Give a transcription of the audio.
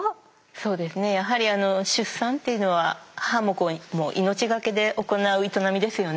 そうですねやはり出産っていうのは母も子も命懸けで行う営みですよね？